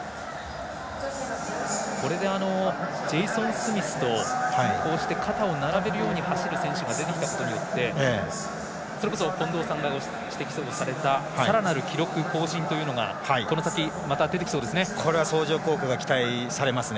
これで、ジェイソン・スミスとこうして肩を並べるように走る選手が出てきたことによって、それこそ近藤さんがご指摘になったさらなる記録更新というのがこの先、また出てきそうですね。